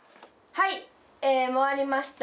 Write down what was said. はい回りました。